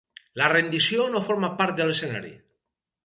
La rendició no forma part de l’escenari.